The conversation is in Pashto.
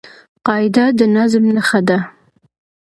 قاعده د نظم نخښه ده.